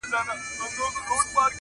مسافر مه وژنې خاونده!